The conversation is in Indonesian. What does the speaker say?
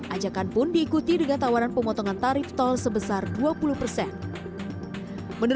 ajakan pun diikuti dengan tawaran pemotongan tarif tol sebesar dua puluh persen